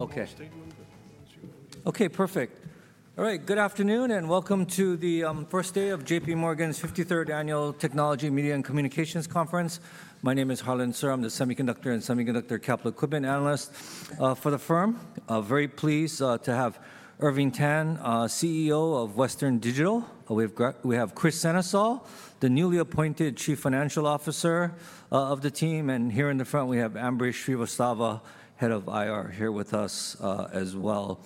Okay. Okay, perfect. All right, good afternoon and welcome to the first day of JPMorgan's 53rd Annual Technology Media and Communications Conference. My name is Harlan Sur. I'm the semiconductor and semiconductor capital equipment analyst for the firm. Very pleased to have Irving Tan, CEO of Western Digital. We have Kris Sennesael, the newly appointed Chief Financial Officer of the team. And here in the front, we have Ambrish Srivastava, Head of IR, here with us as well.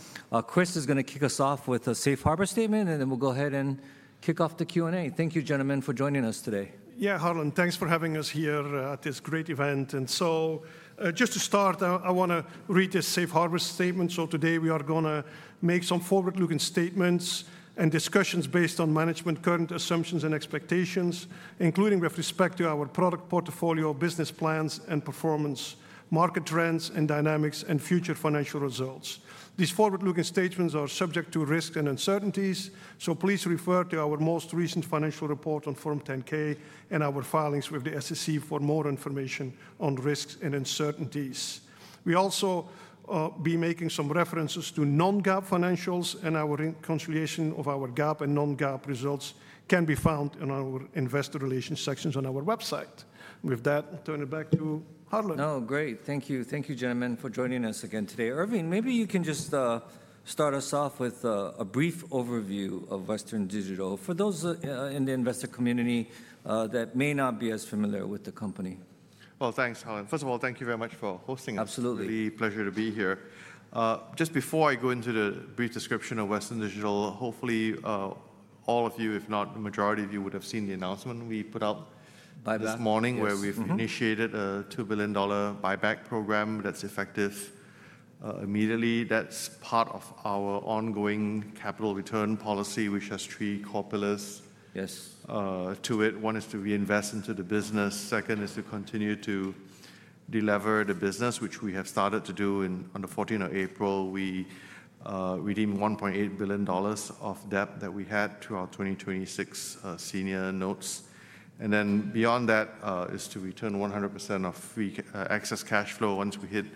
Kris is going to kick us off with a safe harbor statement, and then we'll go ahead and kick off the Q&A. Thank you, gentlemen, for joining us today. Yeah, Harlan, thanks for having us here at this great event. Just to start, I want to read this safe harbor statement. Today we are going to make some forward-looking statements and discussions based on management current assumptions and expectations, including with respect to our product portfolio, business plans, and performance, market trends and dynamics, and future financial results. These forward-looking statements are subject to risks and uncertainties. Please refer to our most recent financial report on Form 10-K and our filings with the SEC for more information on risks and uncertainties. We will also be making some references to non-GAAP financials, and our reconciliation of our GAAP and non-GAAP results can be found in our investor relations sections on our website. With that, I'll turn it back to Harlan. Oh, great. Thank you. Thank you, gentlemen, for joining us again today. Irving, maybe you can just start us off with a brief overview of Western Digital for those in the investor community that may not be as familiar with the company. Thank you, Harlan. First of all, thank you very much for hosting us. Absolutely. It's a pleasure to be here. Just before I go into the brief description of Western Digital, hopefully all of you, if not the majority of you, would have seen the announcement we put out this morning where we've initiated a $2 billion buyback program that's effective immediately. That's part of our ongoing capital return policy, which has three core pillars to it. One is to reinvest into the business. Second is to continue to deliver the business, which we have started to do. On the 14th of April, we redeemed $1.8 billion of debt that we had to our 2026 senior notes. And then beyond that is to return 100% of access cash flow once we hit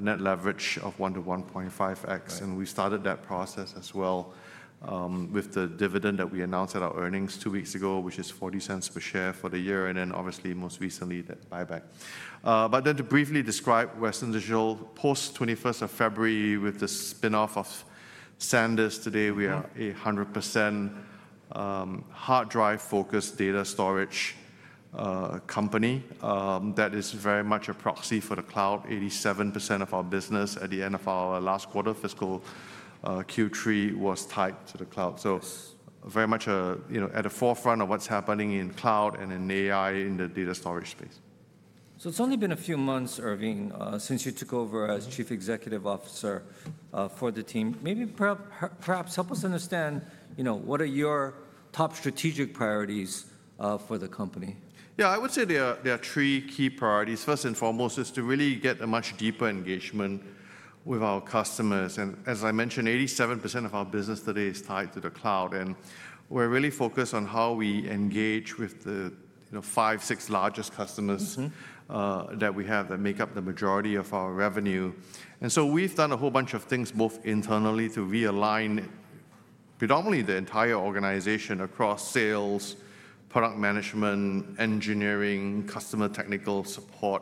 net leverage of 1 to 1.5x. We started that process as well with the dividend that we announced at our earnings two weeks ago, which is $0.40 per share for the year. Most recently, that buyback. To briefly describe Western Digital post-21st of February with the spinoff of SanDisk, today we are a 100% hard drive-focused data storage company that is very much a proxy for the cloud. 87% of our business at the end of our last quarter, fiscal Q3, was tied to the cloud. Very much at the forefront of what's happening in cloud and in AI in the data storage space. It's only been a few months, Irving, since you took over as Chief Executive Officer for the team. Maybe perhaps help us understand what are your top strategic priorities for the company? Yeah, I would say there are three key priorities. First and foremost is to really get a much deeper engagement with our customers. As I mentioned, 87% of our business today is tied to the cloud. We're really focused on how we engage with the five, six largest customers that we have that make up the majority of our revenue. We have done a whole bunch of things both internally to realign predominantly the entire organization across sales, product management, engineering, customer technical support,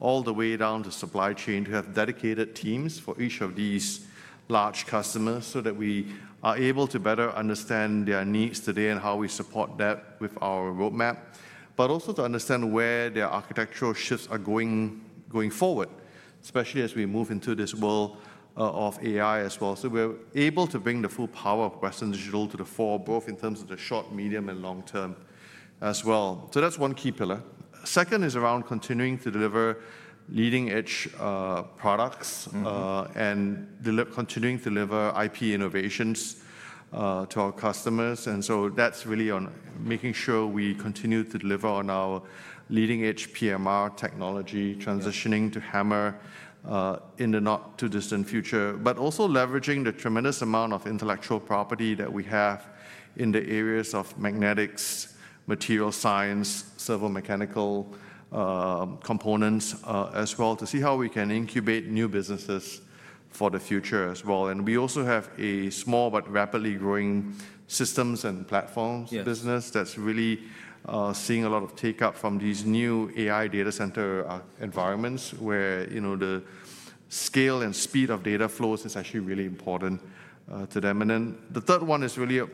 all the way down to supply chain to have dedicated teams for each of these large customers so that we are able to better understand their needs today and how we support that with our roadmap, but also to understand where their architectural shifts are going forward, especially as we move into this world of AI as well. We're able to bring the full power of Western Digital to the fore both in terms of the short, medium, and long term as well. That's one key pillar. Second is around continuing to deliver leading-edge products and continuing to deliver IP innovations to our customers. That's really on making sure we continue to deliver on our leading-edge PMR technology transitioning to Hammer in the not too distant future, but also leveraging the tremendous amount of intellectual property that we have in the areas of magnetics, material science, servo mechanical components as well to see how we can incubate new businesses for the future as well. We also have a small but rapidly growing systems and platforms business that is really seeing a lot of take-up from these new AI data center environments where the scale and speed of data flows is actually really important to them. The third one is really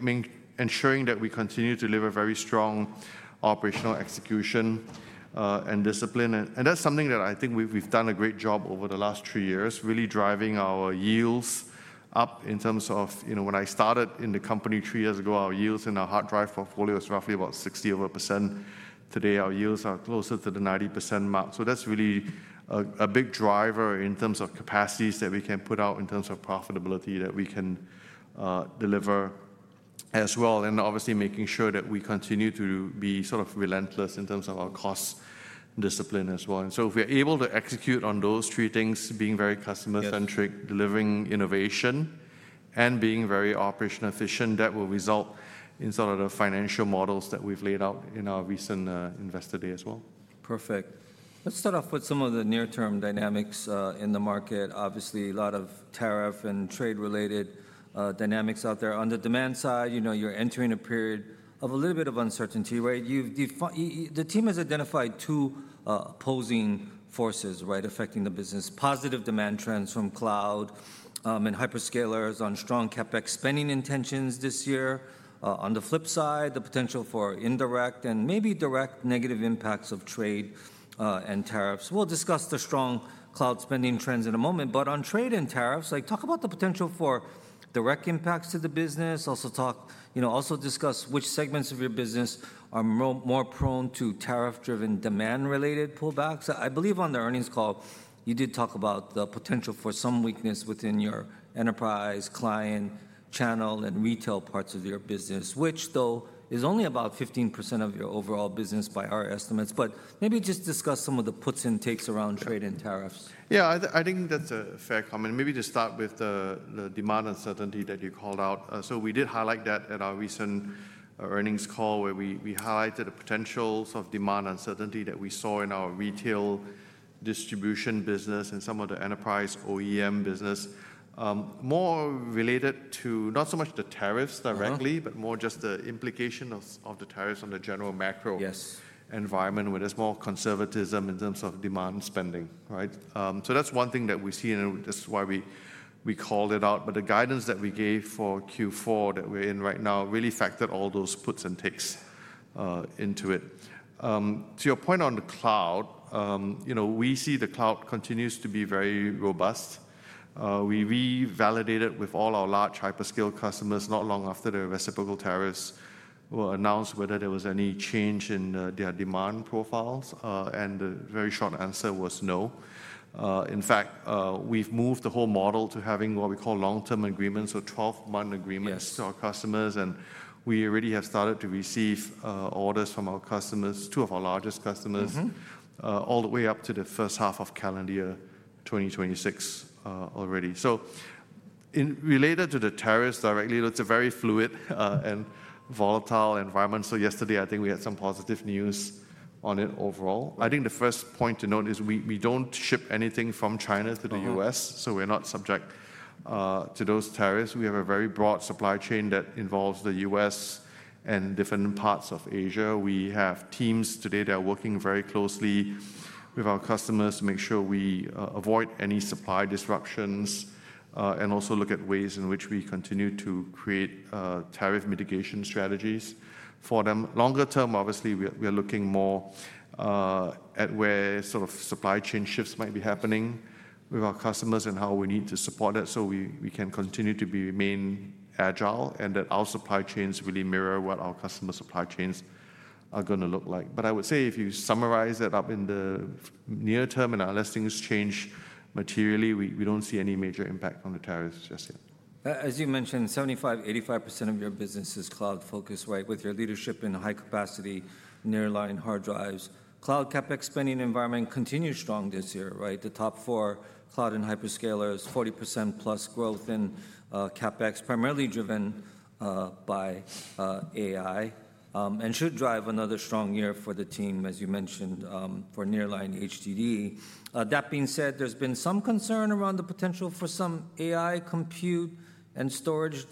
ensuring that we continue to deliver very strong operational execution and discipline. That is something that I think we have done a great job over the last three years, really driving our yields up. In terms of when I started in the company three years ago, our yields in our hard drive portfolio were roughly about 60%. Today, our yields are closer to the 90% mark. That is really a big driver in terms of capacities that we can put out and in terms of profitability that we can deliver as well. Obviously, making sure that we continue to be sort of relentless in terms of our cost discipline as well. If we're able to execute on those three things, being very customer-centric, delivering innovation, and being very operation efficient, that will result in sort of the financial models that we've laid out in our recent investor day as well. Perfect. Let's start off with some of the near-term dynamics in the market. Obviously, a lot of tariff and trade-related dynamics out there. On the demand side, you're entering a period of a little bit of uncertainty. The team has identified two opposing forces affecting the business: positive demand trends from cloud and hyperscalers on strong CapEx spending intentions this year. On the flip side, the potential for indirect and maybe direct negative impacts of trade and tariffs. We will discuss the strong cloud spending trends in a moment. On trade and tariffs, talk about the potential for direct impacts to the business. Also discuss which segments of your business are more prone to tariff-driven demand-related pullbacks. I believe on the earnings call, you did talk about the potential for some weakness within your enterprise client channel and retail parts of your business, which, though, is only about 15% of your overall business by our estimates. Maybe just discuss some of the puts and takes around trade and tariffs. Yeah, I think that's a fair comment. Maybe to start with the demand uncertainty that you called out. We did highlight that at our recent earnings call where we highlighted the potentials of demand uncertainty that we saw in our retail distribution business and some of the enterprise OEM business, more related to not so much the tariffs directly, but more just the implication of the tariffs on the general macro environment where there's more conservatism in terms of demand spending. That's one thing that we see, and that's why we called it out. The guidance that we gave for Q4 that we're in right now really factored all those puts and takes into it. To your point on the cloud, we see the cloud continues to be very robust. We revalidated with all our large hyperscale customers not long after the reciprocal tariffs were announced whether there was any change in their demand profiles. The very short answer was no. In fact, we've moved the whole model to having what we call long-term agreements, 12-month agreements to our customers. We already have started to receive orders from our customers, two of our largest customers, all the way up to the first half of calendar year 2026 already. Related to the tariffs directly, it's a very fluid and volatile environment. Yesterday, I think we had some positive news on it overall. The first point to note is we don't ship anything from China to the U.S., so we're not subject to those tariffs. We have a very broad supply chain that involves the U.S. and different parts of Asia. We have teams today that are working very closely with our customers to make sure we avoid any supply disruptions and also look at ways in which we continue to create tariff mitigation strategies for them. Longer term, obviously, we're looking more at where sort of supply chain shifts might be happening with our customers and how we need to support it so we can continue to remain agile and that our supply chains really mirror what our customer supply chains are going to look like. I would say if you summarize that up in the near term and unless things change materially, we do not see any major impact on the tariffs just yet. As you mentioned, 75%-85% of your business is cloud-focused, right, with your leadership in high-capacity nearline hard drives. Cloud CapEx spending environment continues strong this year, right? The top four cloud and hyperscalers, 40% plus growth in CapEx, primarily driven by AI and should drive another strong year for the team, as you mentioned, for nearline HDD. That being said, there's been some concern around the potential for some AI compute and storage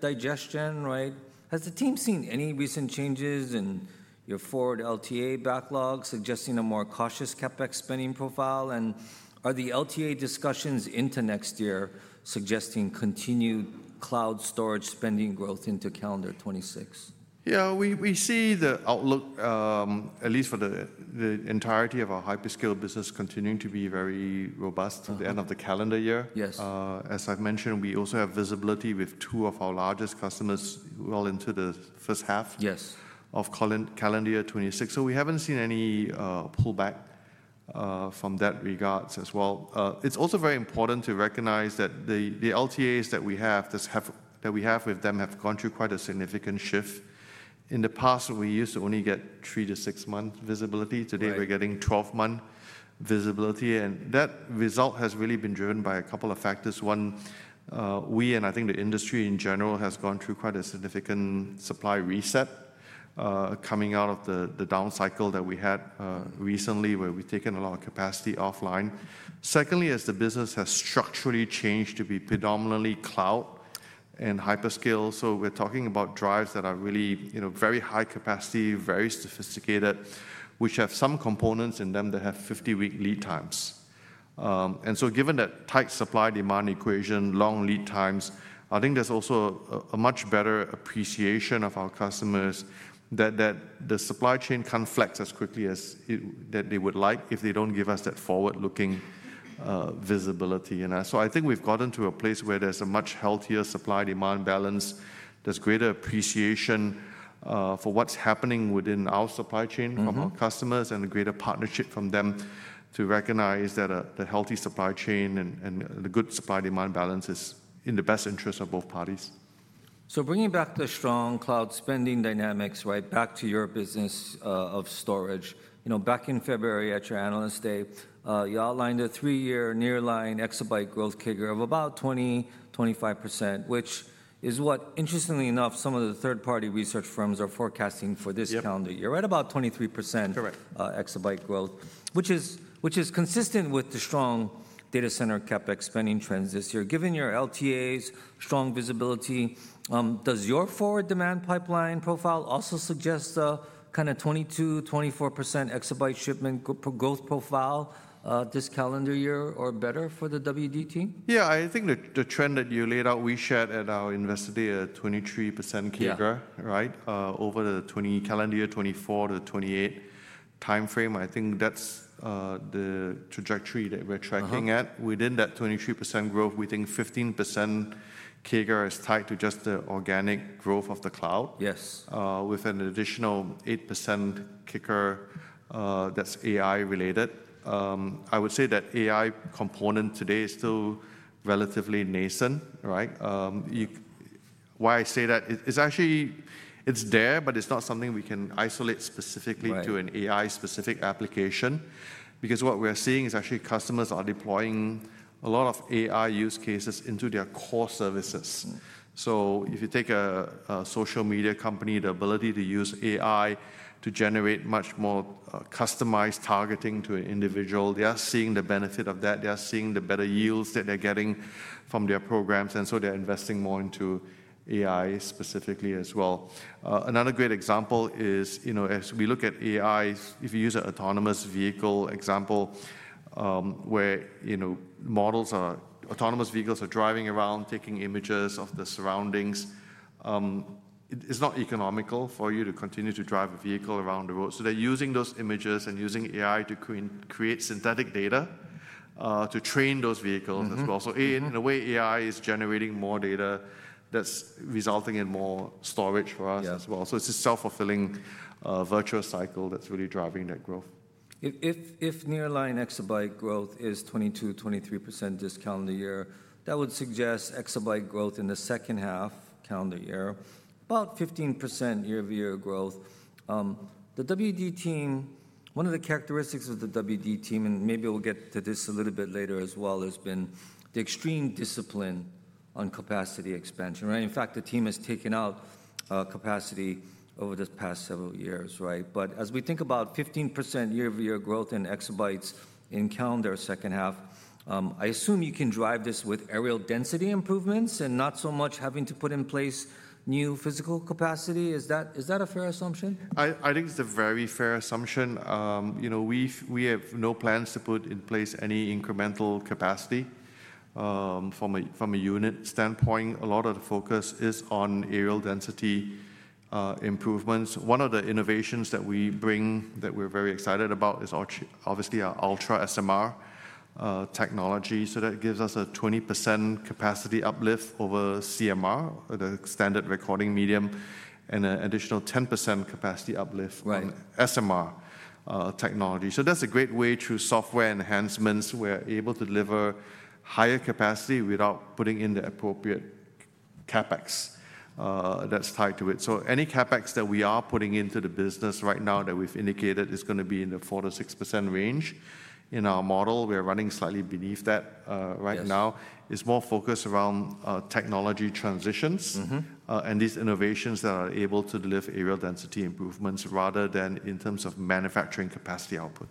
digestion, right? Has the team seen any recent changes in your forward LTA backlog suggesting a more cautious CapEx spending profile? Are the LTA discussions into next year suggesting continued cloud storage spending growth into calendar 2026? Yeah, we see the outlook, at least for the entirety of our hyperscale business, continuing to be very robust at the end of the calendar year. As I've mentioned, we also have visibility with two of our largest customers well into the first half of calendar year 2026. We have not seen any pullback from that regards as well. It is also very important to recognize that the LTAs that we have with them have gone through quite a significant shift. In the past, we used to only get three- to six-month visibility. Today, we are getting 12-month visibility. That result has really been driven by a couple of factors. One, we and I think the industry in general has gone through quite a significant supply reset coming out of the down cycle that we had recently where we have taken a lot of capacity offline. Secondly, as the business has structurally changed to be predominantly cloud and hyperscaler, we are talking about drives that are really very high capacity, very sophisticated, which have some components in them that have 50-week lead times. Given that tight supply-demand equation, long lead times, I think there is also a much better appreciation of our customers that the supply chain cannot flex as quickly as they would like if they do not give us that forward-looking visibility. I think we have gotten to a place where there is a much healthier supply-demand balance, there is greater appreciation for what is happening within our supply chain from our customers, and a greater partnership from them to recognize that the healthy supply chain and the good supply-demand balance is in the best interest of both parties. Bringing back the strong cloud spending dynamics, right, back to your business of storage. Back in February at your analyst day, you outlined a three-year nearline exabyte growth figure of about 20%-25%, which is what, interestingly enough, some of the third-party research firms are forecasting for this calendar year, right, about 23% exabyte growth, which is consistent with the strong data center CapEx spending trends this year. Given your LTAs, strong visibility, does your forward demand pipeline profile also suggest a kind of 22%-24% exabyte shipment growth profile this calendar year or better for the WD Team? Yeah, I think the trend that you laid out, we shared at our investor day, a 23% CAGR, right, over the calendar year 2024 to 2028 timeframe. I think that's the trajectory that we're tracking at. Within that 23% growth, we think 15% CAGR is tied to just the organic growth of the cloud with an additional 8% kicker that's AI-related. I would say that AI component today is still relatively nascent. Why I say that is actually it's there, but it's not something we can isolate specifically to an AI-specific application because what we're seeing is actually customers are deploying a lot of AI use cases into their core services. If you take a social media company, the ability to use AI to generate much more customized targeting to an individual, they are seeing the benefit of that. They are seeing the better yields that they're getting from their programs. They are investing more into AI specifically as well. Another great example is, as we look at AI, if you use an autonomous vehicle example where autonomous vehicles are driving around, taking images of the surroundings, it's not economical for you to continue to drive a vehicle around the road. They are using those images and using AI to create synthetic data to train those vehicles as well. In a way, AI is generating more data that's resulting in more storage for us as well. It is a self-fulfilling virtual cycle that's really driving that growth. If nearline exabyte growth is 22%, 23% this calendar year, that would suggest exabyte growth in the second half calendar year, about 15% year-over-year growth. The WD team, one of the characteristics of the WD team, and maybe we'll get to this a little bit later as well, has been the extreme discipline on capacity expansion. In fact, the team has taken out capacity over the past several years. As we think about 15% year-over-year growth in exabytes in calendar second half, I assume you can drive this with areal density improvements and not so much having to put in place new physical capacity. Is that a fair assumption? I think it's a very fair assumption. We have no plans to put in place any incremental capacity from a unit standpoint. A lot of the focus is on areal density improvements. One of the innovations that we bring that we're very excited about is obviously our ultra SMR technology. That gives us a 20% capacity uplift over CMR, the standard recording medium, and an additional 10% capacity uplift on SMR technology. That's a great way through software enhancements. We're able to deliver higher capacity without putting in the appropriate CapEx that's tied to it. Any CapEx that we are putting into the business right now that we've indicated is going to be in the 4%-6% range. In our model, we're running slightly beneath that right now. It's more focused around technology transitions and these innovations that are able to deliver areal density improvements rather than in terms of manufacturing capacity output.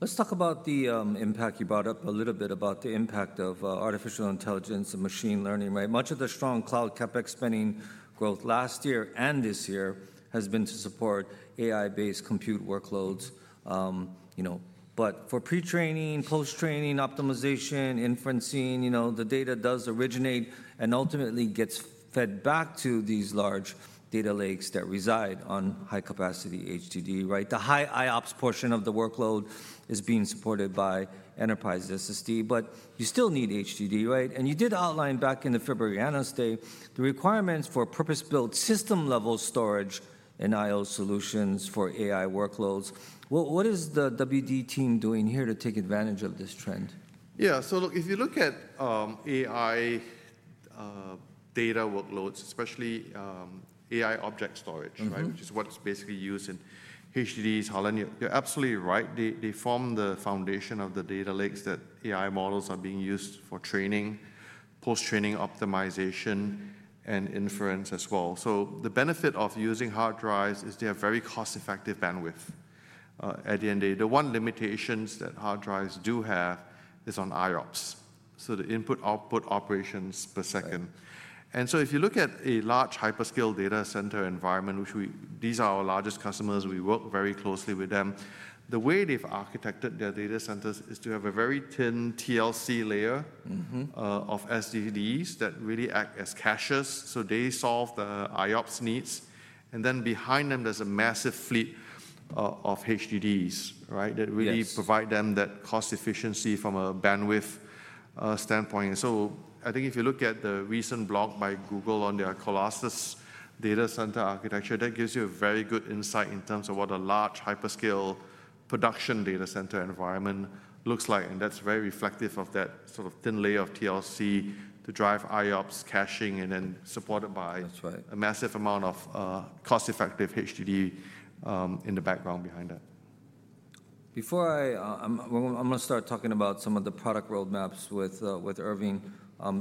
Let's talk about the impact. You brought up a little bit about the impact of artificial intelligence and machine learning. Much of the strong cloud CapEx spending growth last year and this year has been to support AI-based compute workloads. For pre-training, post-training, optimization, inferencing, the data does originate and ultimately gets fed back to these large data lakes that reside on high-capacity HDD. The high IOPS portion of the workload is being supported by enterprise SSD, but you still need HDD. You did outline back in the February analyst day the requirements for purpose-built system-level storage and IO solutions for AI workloads. What is the WD team doing here to take advantage of this trend? Yeah, so look, if you look at AI data workloads, especially AI object storage, which is what's basically used in HDDs, Harlan, you're absolutely right. They form the foundation of the data lakes that AI models are being used for training, post-training optimization, and inference as well. The benefit of using hard drives is they have very cost-effective bandwidth at the end of the day. The one limitation that hard drives do have is on IOPS, so the input-output operations per second. If you look at a large hyperscale data center environment, which these are our largest customers, we work very closely with them, the way they've architected their data centers is to have a very thin TLC layer of SSDs that really act as caches. They solve the IOPS needs. Then behind them, there's a massive fleet of HDDs that really provide them that cost efficiency from a bandwidth standpoint. I think if you look at the recent blog by Google on their Colossus data center architecture, that gives you a very good insight in terms of what a large hyperscale production data center environment looks like. That's very reflective of that sort of thin layer of TLC to drive IOPS caching and then supported by a massive amount of cost-effective HDD in the background behind that. I'm going to start talking about some of the product roadmaps with Irving.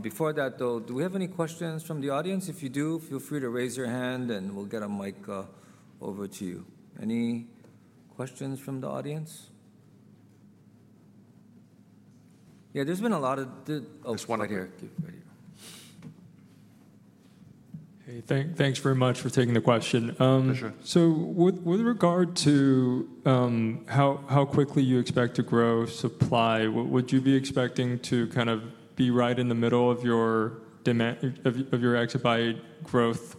Before that, though, do we have any questions from the audience? If you do, feel free to raise your hand and we'll get a mic over to you. Any questions from the audience? Yeah, there's been a lot of. Just one right here. Hey, thanks very much for taking the question. Pleasure. With regard to how quickly you expect to grow supply, would you be expecting to kind of be right in the middle of your exabyte growth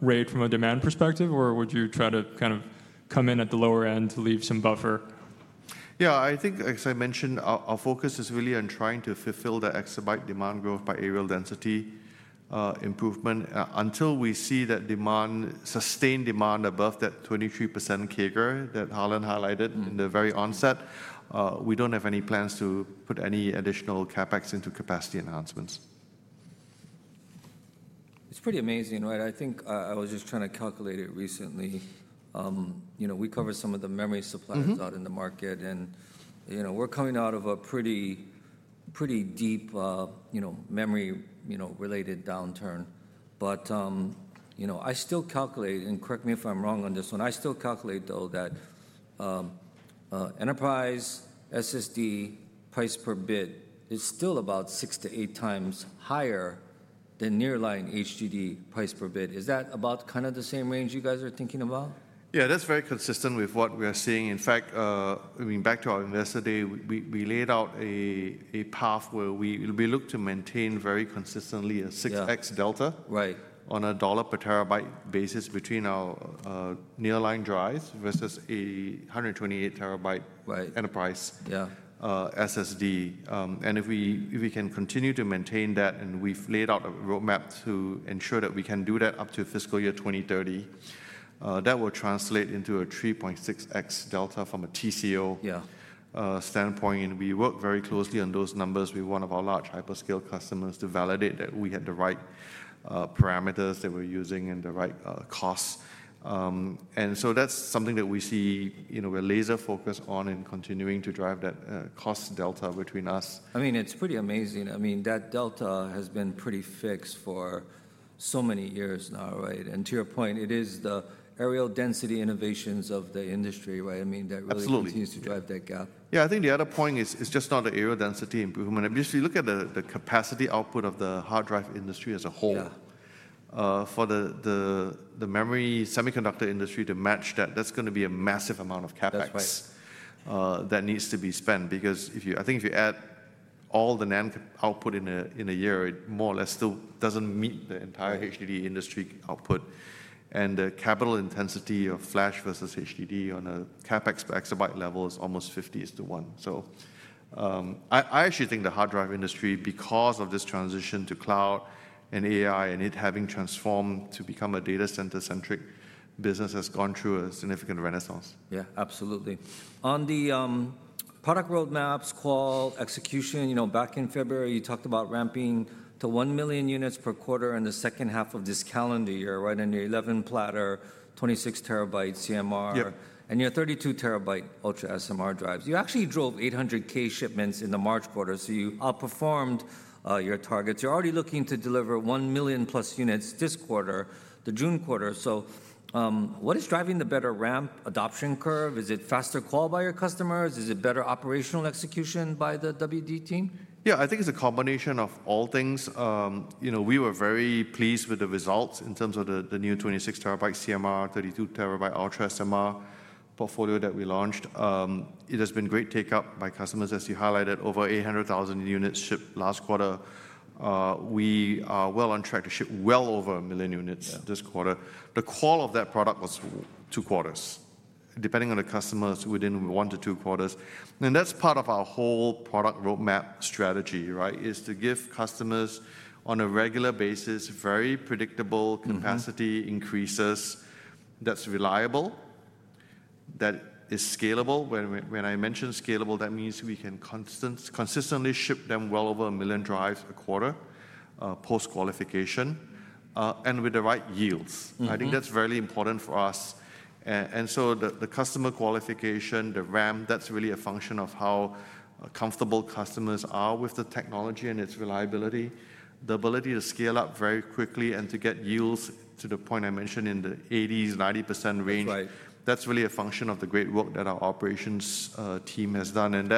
rate from a demand perspective, or would you try to kind of come in at the lower end to leave some buffer? Yeah, I think, as I mentioned, our focus is really on trying to fulfill the exabyte demand growth by areal density improvement. Until we see that sustained demand above that 23% CAGR that Harlan highlighted in the very onset, we do not have any plans to put any additional CapEx into capacity enhancements. It's pretty amazing, right? I think I was just trying to calculate it recently. We cover some of the memory supplies out in the market. We're coming out of a pretty deep memory-related downturn. I still calculate, and correct me if I'm wrong on this one, I still calculate, though, that enterprise SSD price per bit is still about six to eight times higher than nearline HDD price per bit. Is that about kind of the same range you guys are thinking about? Yeah, that's very consistent with what we are seeing. In fact, going back to our investor day, we laid out a path where we look to maintain very consistently a 6x delta on a dollar per terabyte basis between our nearline drives versus a 128 TB enterprise SSD. If we can continue to maintain that, and we've laid out a roadmap to ensure that we can do that up to fiscal year 2030, that will translate into a 3.6x delta from a TCO standpoint. We work very closely on those numbers with one of our large hyperscale customers to validate that we had the right parameters that we're using and the right costs. That's something that we see we're laser-focused on and continuing to drive that cost delta between us. I mean, it's pretty amazing. I mean, that delta has been pretty fixed for so many years now. To your point, it is the areal density innovations of the industry that really continues to drive that gap. Yeah, I think the other point is just not the areal density improvement. If you look at the capacity output of the hard drive industry as a whole, for the memory semiconductor industry to match that, that's going to be a massive amount of CapEx that needs to be spent. Because I think if you add all the NAND output in a year, it more or less still doesn't meet the entire HDD industry output. And the capital intensity of flash versus HDD on a CapEx per exabyte level is almost 50 to 1. I actually think the hard drive industry, because of this transition to cloud and AI and it having transformed to become a data center-centric business, has gone through a significant renaissance. Yeah, absolutely. On the product roadmaps, qual, execution, back in February, you talked about ramping to 1 million units per quarter in the second half of this calendar year, right, in your 11-platter, 26 TB CMR, and your 32 TB ultra SMR drives. You actually drove 800,000 shipments in the March quarter, so you outperformed your targets. You're already looking to deliver 1 million plus units this quarter, the June quarter. What is driving the better ramp adoption curve? Is it faster qual by your customers? Is it better operational execution by the WD team? Yeah, I think it's a combination of all things. We were very pleased with the results in terms of the new 26 TB CMR, 32 TB ultra SMR portfolio that we launched. It has been great take-up by customers, as you highlighted, over 800,000 units shipped last quarter. We are well on track to ship well over a million units this quarter. The qual of that product was two quarters, depending on the customers within one to two quarters. That is part of our whole product roadmap strategy, is to give customers on a regular basis very predictable capacity increases that are reliable, that are scalable. When I mention scalable, that means we can consistently ship them well over a million drives a quarter post-qualification and with the right yields. I think that's very important for us. The customer qualification, the RAM, that's really a function of how comfortable customers are with the technology and its reliability, the ability to scale up very quickly and to get yields to the point I mentioned in the 80%-90% range. That's really a function of the great work that our operations team has done.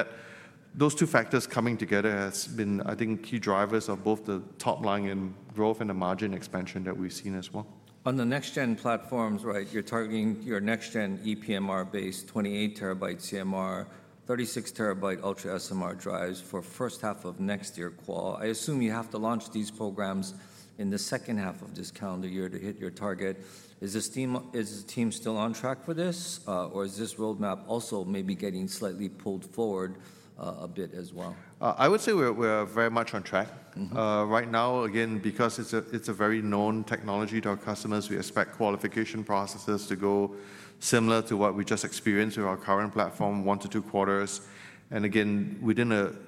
Those two factors coming together has been, I think, key drivers of both the top line growth and the margin expansion that we've seen as well. On the next-gen platforms, you're targeting your next-gen EPMR-based 28 TB CMR, 36 TB ultra SMR drives for first half of next year qual. I assume you have to launch these programs in the second half of this calendar year to hit your target. Is the team still on track for this, or is this roadmap also maybe getting slightly pulled forward a bit as well? I would say we're very much on track. Right now, again, because it's a very known technology to our customers, we expect qualification processes to go similar to what we just experienced with our current platform, one to two quarters. Again,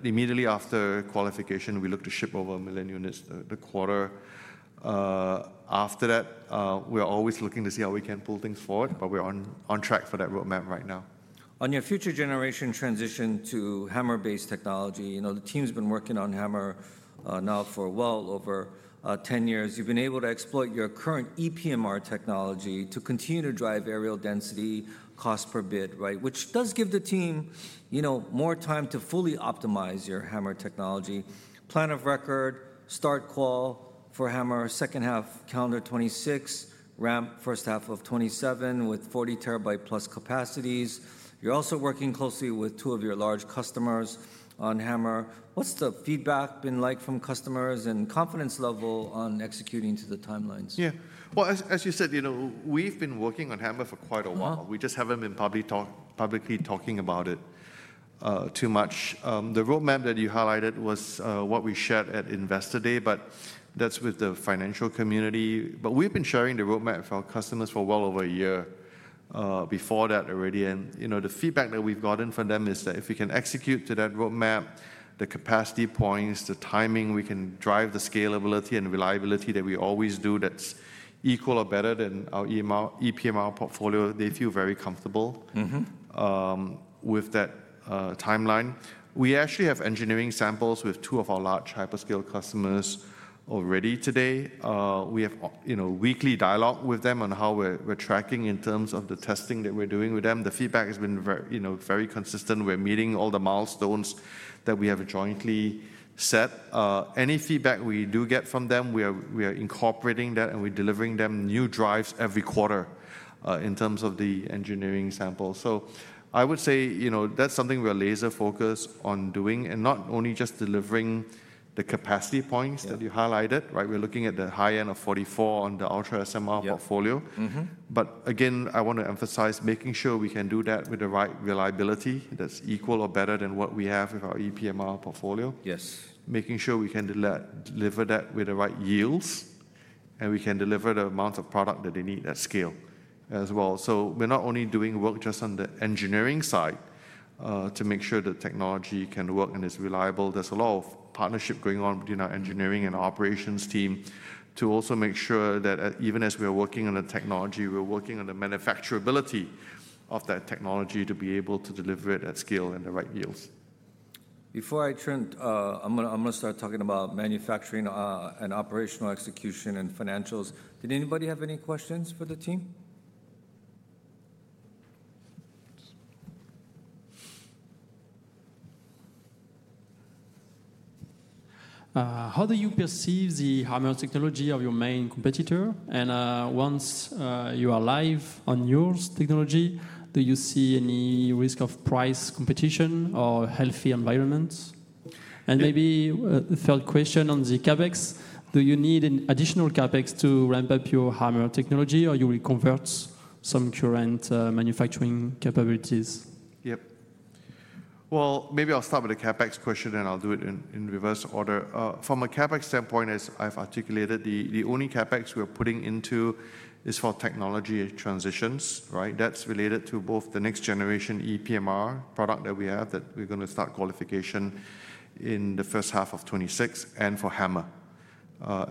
immediately after qualification, we look to ship over a million units the quarter. After that, we're always looking to see how we can pull things forward, but we're on track for that roadmap right now. On your future generation transition to Hammer technology, the team's been working on Hammer now for well over 10 years. You've been able to exploit your current EPMR technology to continue to drive areal density cost per bit, which does give the team more time to fully optimize your Hammer technology. Plan of record, start qual for Hammer, second half calendar 2026, ramp first half of 2027 with 40 terabyte plus capacities. You're also working closely with two of your large customers on Hammer. What's the feedback been like from customers and confidence level on executing to the timelines? Yeah, as you said, we've been working on Hammer for quite a while. We just haven't been publicly talking about it too much. The roadmap that you highlighted was what we shared at Investor Day, but that's with the financial community. We've been sharing the roadmap with our customers for well over a year before that already. The feedback that we've gotten from them is that if we can execute to that roadmap, the capacity points, the timing, we can drive the scalability and reliability that we always do that's equal or better than our EPMR portfolio, they feel very comfortable with that timeline. We actually have engineering samples with two of our large hyperscale customers already today. We have weekly dialogue with them on how we're tracking in terms of the testing that we're doing with them. The feedback has been very consistent. We're meeting all the milestones that we have jointly set. Any feedback we do get from them, we are incorporating that and we're delivering them new drives every quarter in terms of the engineering sample. I would say that's something we're laser-focused on doing. Not only just delivering the capacity points that you highlighted, we're looking at the high end of 44 on the ultra SMR portfolio. I want to emphasize making sure we can do that with the right reliability that's equal or better than what we have with our EPMR portfolio, making sure we can deliver that with the right yields and we can deliver the amounts of product that they need at scale as well. We're not only doing work just on the engineering side to make sure the technology can work and is reliable. There's a lot of partnership going on between our engineering and our operations team to also make sure that even as we are working on the technology, we're working on the manufacturability of that technology to be able to deliver it at scale and the right yields. Before I turn, I'm going to start talking about manufacturing and operational execution and financials. Did anybody have any questions for the team? How do you perceive the Hammer technology of your main competitor? Once you are live on your technology, do you see any risk of price competition or healthy environments? Maybe the third question on the CapEx, do you need additional CapEx to ramp up your Hammer technology or will you convert some current manufacturing capabilities? Yep. Maybe I'll start with the CapEx question and I'll do it in reverse order. From a CapEx standpoint, as I've articulated, the only CapEx we're putting into is for technology transitions. That's related to both the next generation EPMR product that we have that we're going to start qualification in the first half of 2026 and for hammer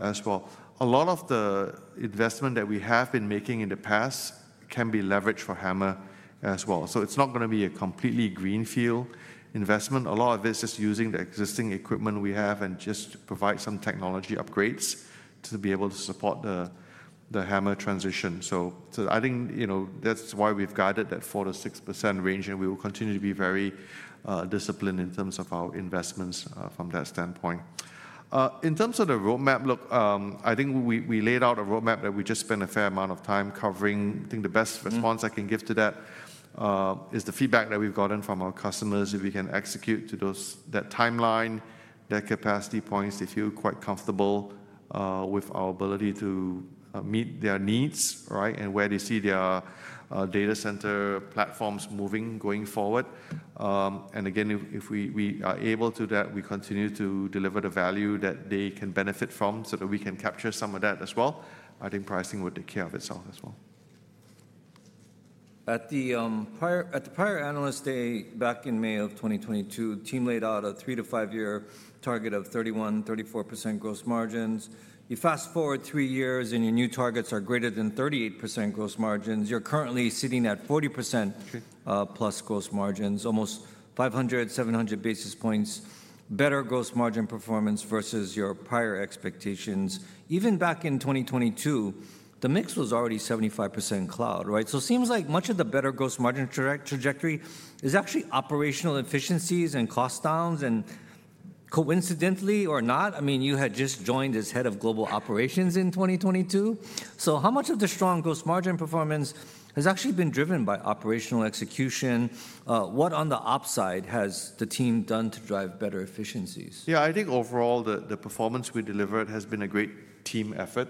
as well. A lot of the investment that we have been making in the past can be leveraged for hammer as well. It's not going to be a completely greenfield investment. A lot of this is using the existing equipment we have and just provide some technology upgrades to be able to support the hammer transition. I think that's why we've guided that 4-6% range, and we will continue to be very disciplined in terms of our investments from that standpoint. In terms of the roadmap, look, I think we laid out a roadmap that we just spent a fair amount of time covering. I think the best response I can give to that is the feedback that we've gotten from our customers. If we can execute to that timeline, their capacity points, they feel quite comfortable with our ability to meet their needs and where they see their data center platforms moving going forward. If we are able to do that, we continue to deliver the value that they can benefit from so that we can capture some of that as well. I think pricing would take care of itself as well. At the prior analyst day back in May of 2022, the team laid out a three to five year target of 31%-34% gross margins. You fast forward three years and your new targets are greater than 38% gross margins. You're currently sitting at 40% plus gross margins, almost 500-700 basis points better gross margin performance versus your prior expectations. Even back in 2022, the mix was already 75% cloud. It seems like much of the better gross margin trajectory is actually operational efficiencies and cost downs. And coincidentally or not, I mean, you had just joined as Head of Global Operations in 2022. How much of the strong gross margin performance has actually been driven by operational execution? What on the op side has the team done to drive better efficiencies? Yeah, I think overall the performance we delivered has been a great team effort.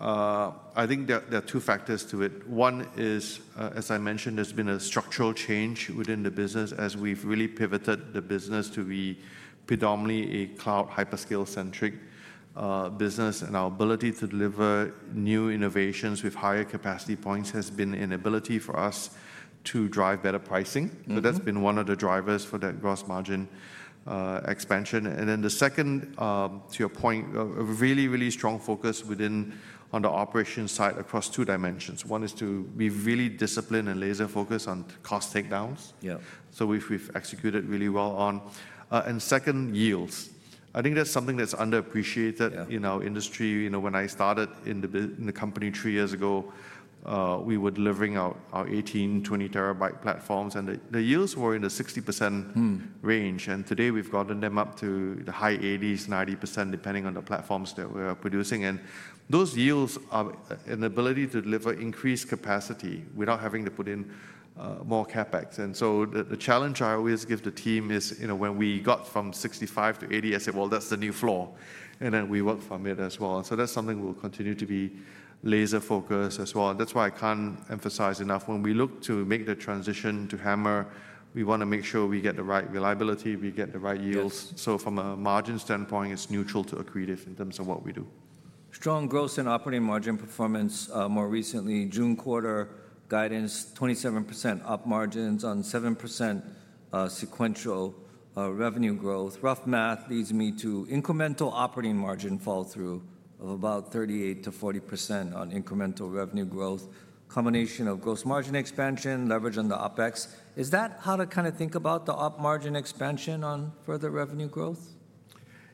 I think there are two factors to it. One is, as I mentioned, there's been a structural change within the business as we've really pivoted the business to be predominantly a cloud hyperscale-centric business. Our ability to deliver new innovations with higher capacity points has been an ability for us to drive better pricing. That has been one of the drivers for that gross margin expansion. The second, to your point, a really, really strong focus within on the operations side across two dimensions. One is to be really disciplined and laser-focused on cost takedowns, which we've executed really well on. Second, yields. I think that's something that's underappreciated in our industry. When I started in the company three years ago, we were delivering our 18, 20 terabyte platforms, and the yields were in the 60% range. Today we've gotten them up to the high 80s, 90% depending on the platforms that we're producing. Those yields are an ability to deliver increased capacity without having to put in more CapEx. The challenge I always give the team is when we got from 65%-80%, I said, that's the new floor. We worked from it as well. That's something we'll continue to be laser-focused as well. I can't emphasize enough when we look to make the transition to hammer, we want to make sure we get the right reliability, we get the right yields. From a margin standpoint, it's neutral to accretive in terms of what we do. Strong gross and operating margin performance more recently, June quarter guidance, 27% up margins on 7% sequential revenue growth. Rough math leads me to incremental operating margin fall through of about 38-40% on incremental revenue growth, combination of gross margin expansion, leverage on the OpEx. Is that how to kind of think about the up margin expansion on further revenue growth?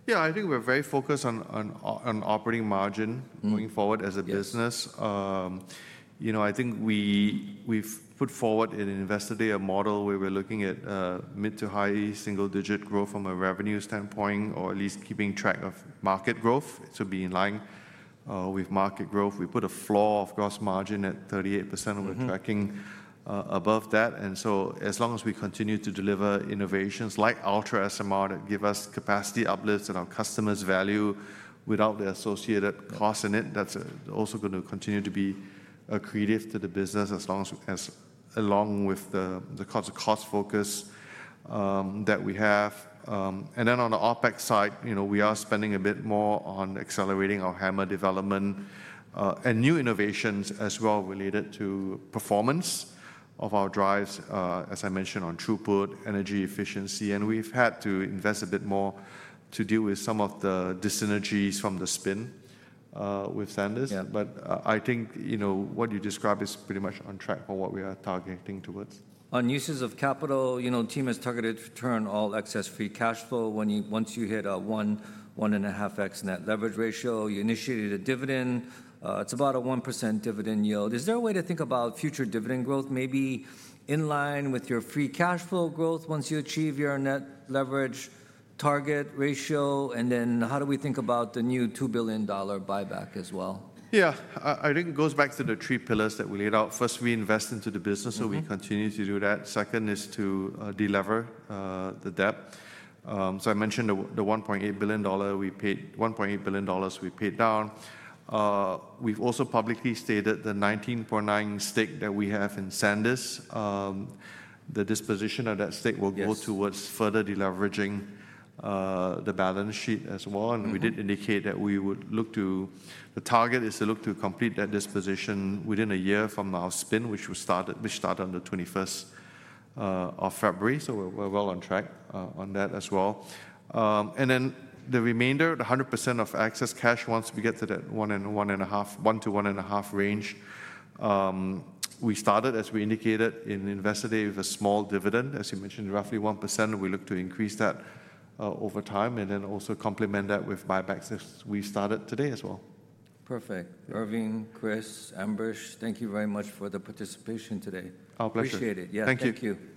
Yeah, I think we're very focused on operating margin going forward as a business. I think we've put forward in investor day a model where we're looking at mid to high single digit growth from a revenue standpoint or at least keeping track of market growth to be in line with market growth. We put a floor of gross margin at 38%. We're tracking above that. As long as we continue to deliver innovations like ultra SMR that give us capacity uplifts and our customers' value without the associated cost in it, that's also going to continue to be accretive to the business along with the cost focus that we have. On the OpEx side, we are spending a bit more on accelerating our Hammer development and new innovations as well related to performance of our drives, as I mentioned, on throughput, energy efficiency. We have had to invest a bit more to deal with some of the dyssynergies from the spin with SanDisk. I think what you describe is pretty much on track for what we are targeting towards. On uses of capital, the team has targeted to return all excess free cash flow once you hit a 1-1.5x net leverage ratio. You initiated a dividend. It is about a 1% dividend yield. Is there a way to think about future dividend growth maybe in line with your free cash flow growth once you achieve your net leverage target ratio? How do we think about the new $2 billion buyback as well? Yeah, I think it goes back to the three pillars that we laid out. First, we invest into the business, so we continue to do that. Second is to deliver the debt. I mentioned the $1.8 billion we paid, $1.8 billion we paid down. We've also publicly stated the 19.9% stake that we have in SanDisk. The disposition of that stake will go towards further deleveraging the balance sheet as well. We did indicate that the target is to complete that disposition within a year from our spin, which started on the 21st of February. We're well on track on that as well. The remainder, the 100% of excess cash, once we get to that one to one and a half range, we started, as we indicated in investor day, with a small dividend, as you mentioned, roughly 1%. We look to increase that over time and then also complement that with buybacks as we started today as well. Perfect. Irving, Kris, Ambrish, thank you very much for the participation today. Our pleasure. Appreciate it. Thank you.